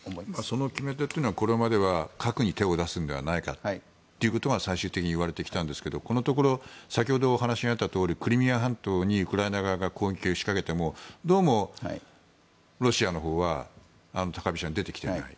その決め手は、これまでは核に手を出すのではないかということが最終的にいわれてきたんですがこのところ先ほどお話があったとおりクリミア半島にウクライナ側が攻撃を仕掛けてもどうもロシアのほうは高飛車に出てきてない。